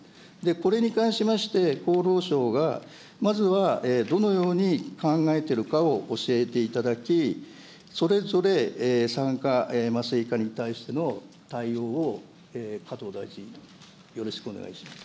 これに関しまして、厚労省が、まずはどのように考えているかを教えていただき、それぞれ産科、麻酔科に対しての対応を加藤大臣、よろしくお願いします。